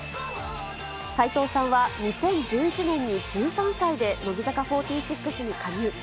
齋藤さんは、２０１１年に１３歳で乃木坂４６に加入。